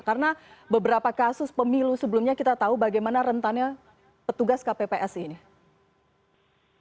karena beberapa kasus pemilu sebelumnya kita tahu bagaimana rentannya petugas kpps ini